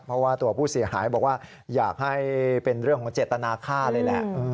เพราะว่าตัวผู้เสียหายบอกว่าอยากให้เป็นเรื่องของเจตนาค่าเลยแหละ